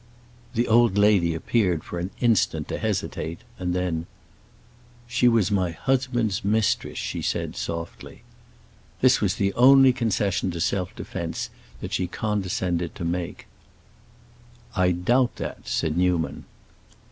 The old lady appeared for an instant to hesitate, and then, "She was my husband's mistress," she said, softly. This was the only concession to self defense that she condescended to make. "I doubt that," said Newman.